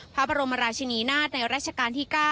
พระบรมราชินีนาฏในราชการที่๙